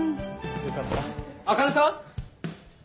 茜さん！